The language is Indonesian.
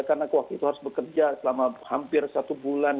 karena waktu itu harus bekerja selama hampir satu bulan